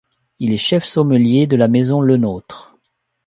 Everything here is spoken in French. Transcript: Il est chef sommelier de la maison Lenôtre.